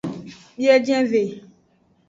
Biejenve.